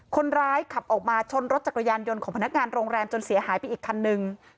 คนร้ายขับออกมาชนรถจักรยานยนต์ของพนักงานโรงแรมจนเสียหายไปอีกคันนึง